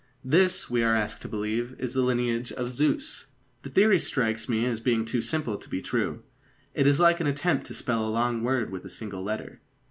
This, we are asked to believe, is the lineage of Zeus. The theory strikes me as being too simple to be true. It is like an attempt to spell a long word with a single letter.